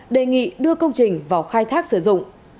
đề nghị đưa công trình vào khai thác sử dụng